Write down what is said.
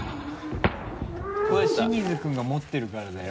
これ清水君が持ってるからだよ。